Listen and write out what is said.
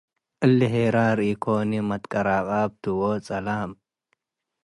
እሊ ሄራር ኢኮኒ መትቀራቃብ ቱ ወጸላም